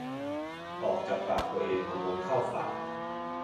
ออกจากปากตัวเองมาม้วนเข้าฝัก